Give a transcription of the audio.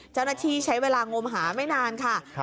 เจ้าหน้าที่ใช้เวลางมหาไม่นานค่ะ